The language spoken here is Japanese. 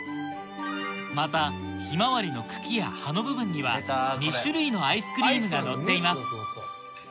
またひまわりの茎や葉の部分には２種類のアイスクリームがのっています